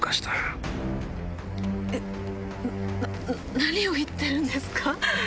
えっ何を言ってるんですか？